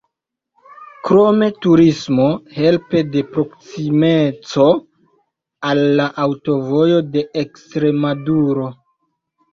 Krome turismo helpe de proksimeco al la Aŭtovojo de Ekstremaduro.